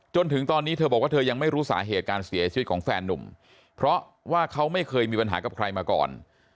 จนถึงตอนนี้เธอบอกว่าเธอยังไม่รู้สาเหตุการเสียชีวิตของแฟนนุ่มเพราะว่าเขาไม่เคยมีปัญหากับใครมาก่อน